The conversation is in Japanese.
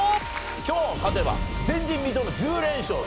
今日勝てば前人未到の１０連勝です。